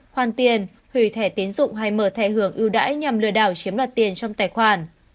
hoàn tiền hủy thẻ tiến dụng hay mở thẻ hưởng ưu đãi nhằm lừa đảo chiếm đoạt tiền trong tài khoản